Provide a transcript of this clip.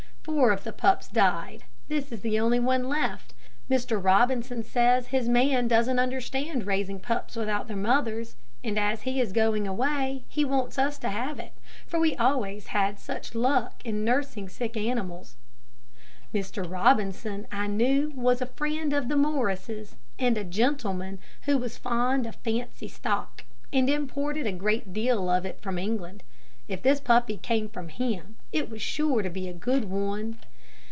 Four of the pups died. This is the only one left. Mr. Robinson says his man doesn't understand raising pups without their mothers, and as he is going away, he wants us to have it, for we always had such luck in nursing sick animals." Mr. Robinson I knew was a friend of the Morrises, and a gentleman who was fond of fancy stock, and imported a great deal of it from England. If this puppy came from him, it was sure to be good one.